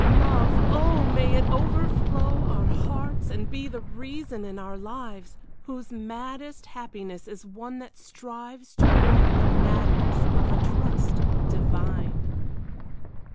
Love! oh, may it overflow Our hearts and be the reason in our lives, Whose maddest happiness is one that strives Toward the madness of a trust divine.